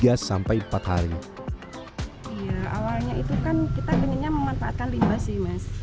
awalnya itu kan kita inginnya memanfaatkan limbah sih mas